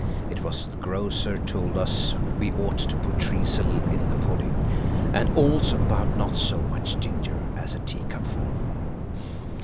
It was the grocer told us we ought to put treacle in the pudding, and also about not so much ginger as a teacupful.